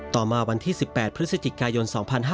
ต่อมาวันที่๑๘พฤศจิกายน๒๕๕๙